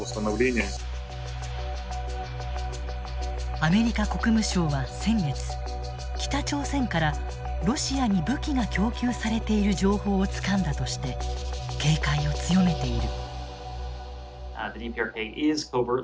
アメリカ国務省は先月北朝鮮からロシアに武器が供給されている情報をつかんだとして警戒を強めている。